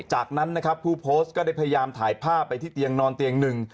จากนั้นนะครับผู้โพสต์ก็ได้พยายามถ่ายภาพไปที่เตียงนอนเตียงหนึ่ง